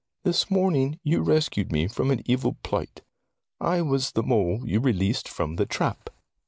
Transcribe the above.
This morning you rescued me from an evil plight; I was the mole you released from the trap."